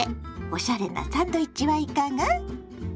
おしゃれなサンドイッチはいかが？